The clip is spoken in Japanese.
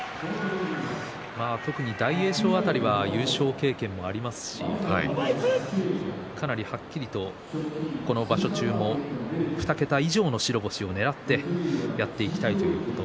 特に大栄翔辺りは優勝経験もありますしかなりはっきりと、この場所中も２桁以上の白星をねらってやっていきたいということ